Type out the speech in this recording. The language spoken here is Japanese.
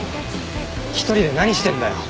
１人で何してんだよ。